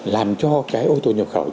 làm cho cái ô tô nhập khẩu